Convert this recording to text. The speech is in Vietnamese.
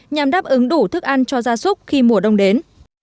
nhằm đáp ứng đủ thức ăn cho gia súc khi mùa đông đến